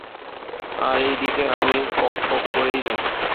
আর এদিকে আমি পকপক করেই যাচ্ছি।